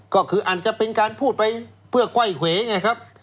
ก็คืออาจจะเป็นการพูดไปเพื่อก้อยเขวไงครับ